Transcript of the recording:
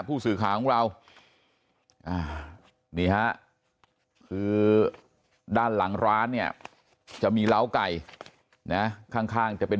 ผู้สื่อข่าวของเราด้านหลังร้านเนี่ยจะมีราวไก่ข้างจะเป็น